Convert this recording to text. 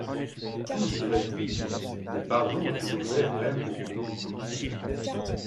Tout serait oublié, le pardon était offert même aux plus compromis.